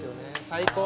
最高！